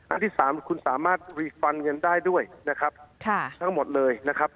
อันที่สามคุณสามารถรีฟันเงินได้ด้วยนะครับค่ะทั้งหมดเลยนะครับ